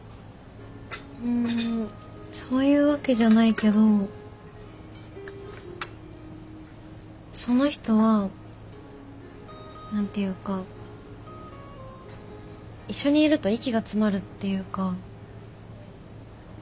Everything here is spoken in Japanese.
うんそういうわけじゃないけどその人は何て言うか一緒にいると息が詰まるっていうか。